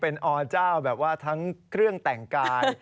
เป็นอเจ้าแบบว่าทั้งเครื่องแต่งกาย